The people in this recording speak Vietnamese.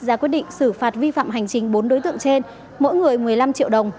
ra quyết định xử phạt vi phạm hành chính bốn đối tượng trên mỗi người một mươi năm triệu đồng